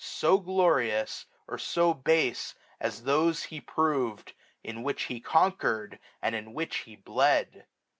So glorious, or so base, as those he prov'd. In which he conquered, and in which he bled.